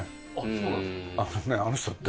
そうなんですか？